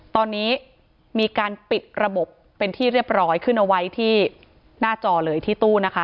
ตอนนี้มีการปิดระบบเป็นที่เรียบร้อยขึ้นเอาไว้ที่หน้าจอเลยที่ตู้นะคะ